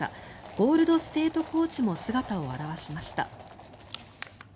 ゴールド・ステート・コーチも姿を現しました。